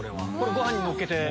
ご飯にのっけて。